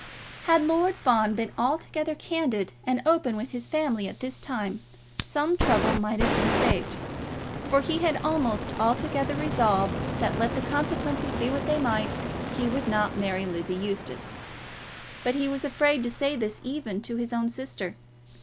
Had Lord Fawn been altogether candid and open with his family at this time, some trouble might have been saved; for he had almost altogether resolved that, let the consequences be what they might, he would not marry Lizzie Eustace. But he was afraid to say this even to his own sister.